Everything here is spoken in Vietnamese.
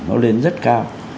nó lên rất cao